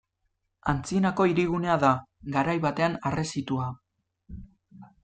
Antzinako hirigunea da, garai batean harresitua.